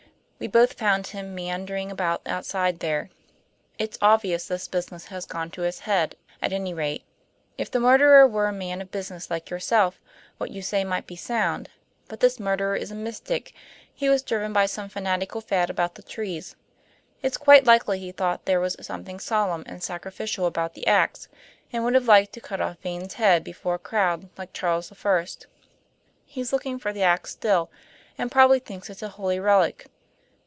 We both found him meandering about outside there; it's obvious this business has gone to his head, at any rate. If the murderer were a man of business like yourself, what you say might be sound. But this murderer is a mystic. He was driven by some fanatical fad about the trees. It's quite likely he thought there was something solemn and sacrificial about the ax, and would have liked to cut off Vane's head before a crowd, like Charles I's. He's looking for the ax still, and probably thinks it a holy relic."